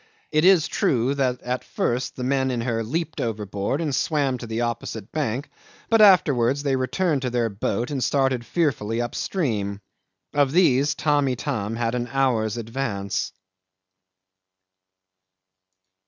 It is true that at first the men in her leaped overboard and swam to the opposite bank, but afterwards they returned to their boat and started fearfully up stream. Of these Tamb' Itam had an hour's advance.